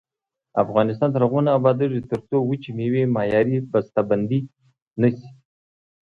افغانستان تر هغو نه ابادیږي، ترڅو وچې میوې معیاري بسته بندي نشي.